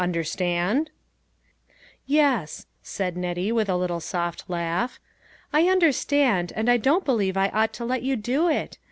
Understand ?" "Yes," said Nettie, with a little soft laugh, " I understand, and I don't believe I ought to let you do it.